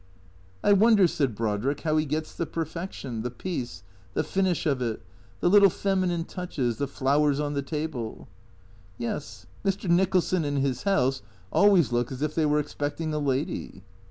" I wonder," said Brodrick, " how he gets the perfection, the peace, the finish of it, the little feminine touches, the flowers on the table "" Yes, Mr. Nicholson and his house always look as if they were expecting a lady."